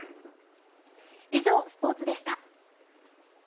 以上、スポーツでした。